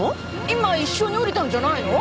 今一緒に降りたんじゃないの？